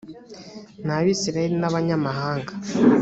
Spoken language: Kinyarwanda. ni abisirayeli n’abanyamahanga